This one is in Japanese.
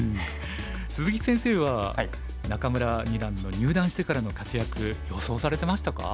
鈴木先生は仲邑二段の入段してからの活躍予想されてましたか？